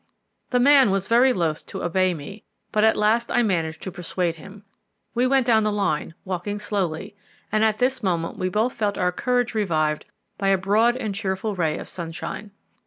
The man was very loth to obey me, but at last I managed to persuade him. We went down the line, walking slowly, and at this moment we both felt our courage revived by a broad and cheerful ray of sunshine.